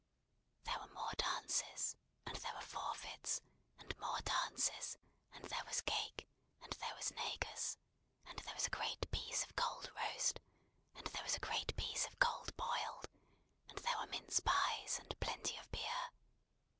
There were more dances, and there were forfeits, and more dances, and there was cake, and there was negus, and there was a great piece of Cold Roast, and there was a great piece of Cold Boiled, and there were mince pies, and plenty of beer.